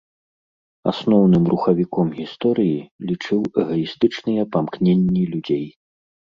Асноўным рухавіком гісторыі лічыў эгаістычныя памкненні людзей.